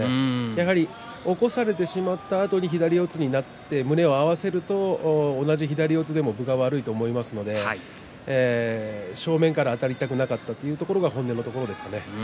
やはり起こされてしまったあとに左四つになって胸を合わせると同じ左四つでも分が悪いと思いますので正面からあたりたくなかったというのが本音のところですかね。